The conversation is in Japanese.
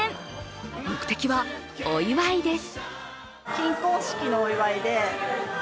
目的はお祝いです。